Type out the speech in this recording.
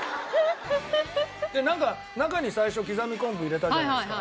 なんか中に最初刻み昆布入れたじゃないですか。